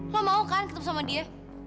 lo mau kan ketemu sama dia